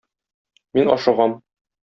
Мин ашыгам.